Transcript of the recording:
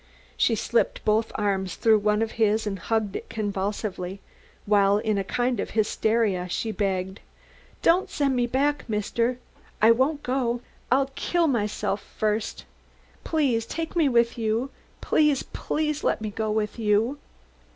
She slipped both arms through one of his and hugged it convulsively, while in a kind of hysteria she begged: "Don't send me back, Mister! I won't go! I'll kill myself first. Take me with you please, please let me go with you!"